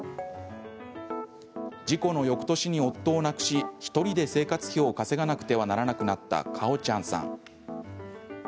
事故のよくとしに夫を亡くし１人で生活費を稼がなくてはならなくなったかおちゃんさん。